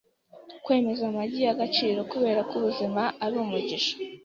Kwemeza amagi yagaciro Kuberako ubuzima ari umugisha